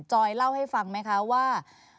จอยเล่าให้ฟังไหมคะว่า